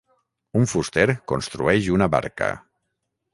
Un fuster construeix una barca.